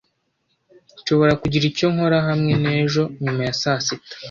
Nshobora kugira icyo nkora hamwe na ejo nyuma ya saa sita.